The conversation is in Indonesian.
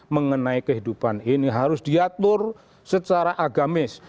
mengenai kehidupan ini harus diatur secara agamis